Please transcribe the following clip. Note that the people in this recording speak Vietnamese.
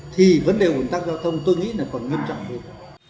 thì vấn đề ủn tắc giao thông tôi nghĩ là còn nghiêm trọng hơn